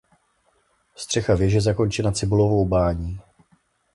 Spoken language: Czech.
Střecha věže zakončena cibulovou bání.